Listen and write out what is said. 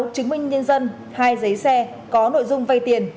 một chứng minh nhân dân hai giấy xe có nội dung vay tiền